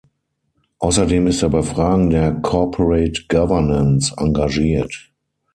Außerdem ist er bei Fragen der Corporate Governance engagiert.